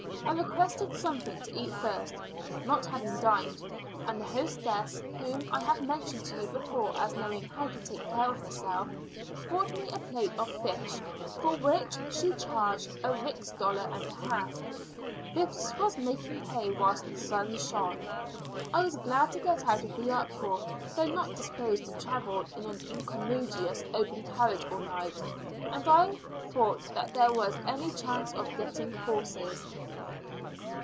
I requested something to eat first, not having dined; and the hostess, whom I have mentioned to you before as knowing how to take care of herself, brought me a plate of fish, for which she charged a rix dollar and a half. This was making hay whilst the sun shone. I was glad to get out of the uproar, though not disposed to travel in an incommodious open carriage all night, had I thought that there was any chance of getting horses.